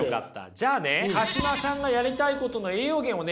じゃあね鹿島さんがやりたいことの栄養源をね